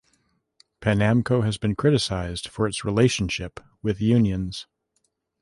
Panamco has been criticized for its relationship with unions.